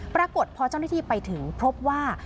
ปรากฏพอเจ้าหน้าที่ไปถึงพบว่า